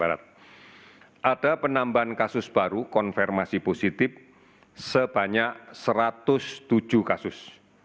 ada penambahan kasus baru konfirmasi positif sebanyak satu ratus tujuh kasus